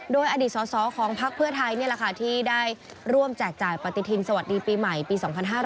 โดยอดีตสอสอของพักเพื่อไทยนี่แหละค่ะที่ได้ร่วมแจกจ่ายปฏิทินสวัสดีปีใหม่ปี๒๕๕๙